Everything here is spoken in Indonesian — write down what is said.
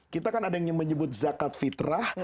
kita kan ada yang menyebut zakat fitrah